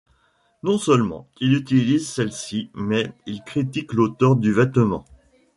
Non seulement il utilise celles-ci mais il crédite l'auteur du vêtement.